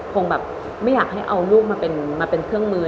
คงแบบไม่อยากให้เอาลูกมาเป็นเครื่องมือ